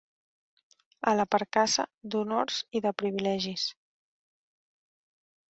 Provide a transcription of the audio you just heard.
A la percaça d'honors i de privilegis.